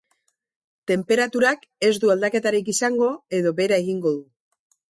Tenperaturak ez du aldaketarik izango edo behera egingo du.